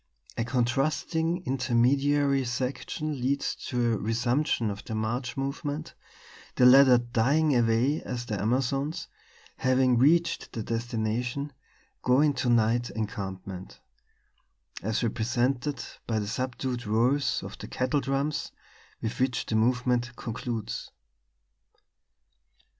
A contrasting intermediary section leads to a resumption of the march movement, the latter dying away as the Amazons, having reached their destination, go into night encampment as represented by the subdued rolls of the kettle drums, with which the movement concludes.